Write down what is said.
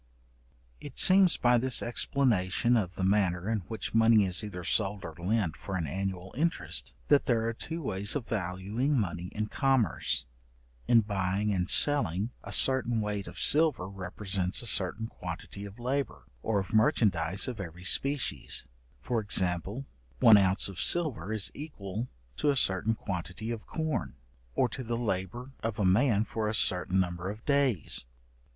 It seems by this explanation of the manner in which money is either sold or lent for an annual interest, that there are two ways of valuing money in commerce. In buying and selling, a certain weight of silver represents a certain quantity of labour, or of merchandize of every species; for example, one ounce of silver is equal to a certain quantity of corn, or to the labour of a man for a certain number of days.